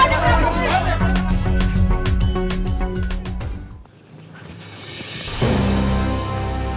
wah ada berapaan